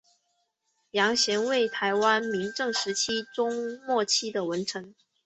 杨贤为台湾明郑时期中末期的文臣。